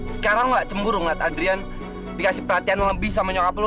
sekarang gak cemburu ngeliat adrian dikasih perhatian lebih sama nyokap lo